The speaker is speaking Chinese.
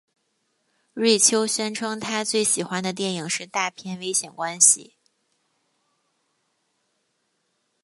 瑞秋宣称他最喜欢的电影是大片危险关系。